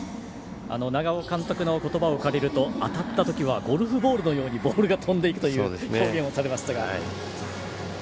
長尾監督のことばを借りると当たったときにはゴルフボールのようにボールが飛んでいくという表現をされましたが。